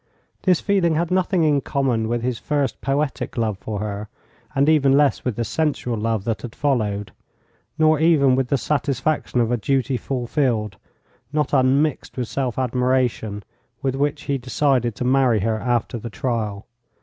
This feeling had nothing in common with his first poetic love for her, and even less with the sensual love that had followed, nor even with the satisfaction of a duty fulfilled, not unmixed with self admiration, with which he decided to marry her after the trial.